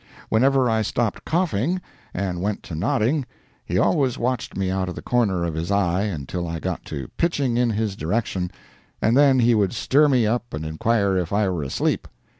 Whenever I stopped coughing, and went to nodding, he always watched me out of the corner of his eye until I got to pitching in his direction, and then he would stir me up and inquire if I were asleep.